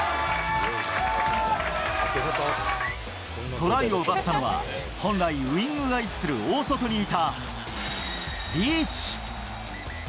トライを奪ったのは、本来、ウイングが位置する大外にいたリーチ。